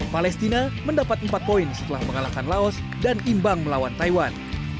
palestina mendapat empat poin setelah mengalahkan laos dan imbang melawan taiwan